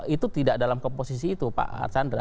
itu tidak dalam komposisi itu pak arsandra